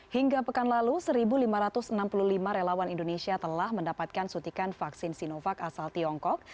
hingga pekan lalu satu lima ratus enam puluh lima relawan indonesia telah mendapatkan suntikan vaksin sinovac asal tiongkok